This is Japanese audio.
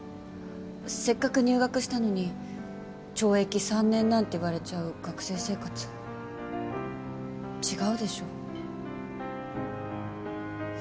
せっかく入学したのに懲役３年なんて言われちゃう学生生活違うでしょ。